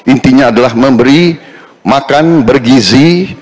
intinya adalah memberi makan bergizi